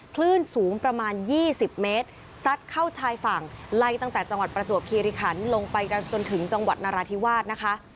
คลื่นสูงประมาณ๒๐เมตรซัดเข้าชายฝั่งไล่ตั้งแต่จังหวัดประจวบคิริคันลงไปกันจนถึงจังหวัดนราธิวาสนะคะ